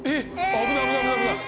危ない危ない危ない！